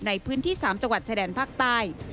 ในพื้นที่๓จังหวัดชายแดนภาคใต้